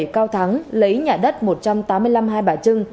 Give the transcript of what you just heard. năm mươi bảy cao thắng lấy nhà đất một trăm tám mươi năm hai bà trưng